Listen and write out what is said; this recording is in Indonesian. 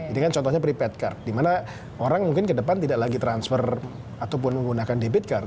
ini kan contohnya prepad card di mana orang mungkin ke depan tidak lagi transfer ataupun menggunakan debit card